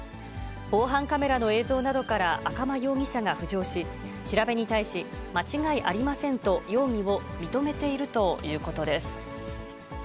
防犯カメラの映像などから赤間容疑者が浮上し、調べに対し、間違いありませんと容疑を認めているということです。